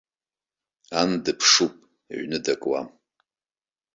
Ан дыԥшуп, аҩны дакуам.